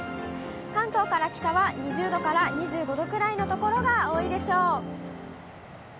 関東から北は、２０度から２５度くらいの所が多いでしょう。